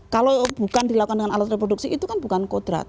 kalau bukan dilakukan dengan alat reproduksi itu kan bukan kodrat